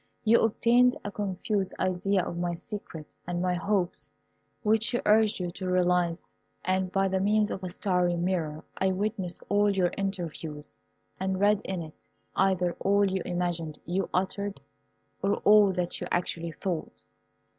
You obtained a confused idea of my secret and my hopes, which she urged you to realize, and by the means of a starry mirror I witnessed all your interviews, and read in it either all you imagined you uttered or all that you actually thought.